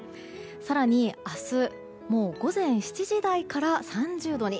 更に、明日午前７時台から３０度に。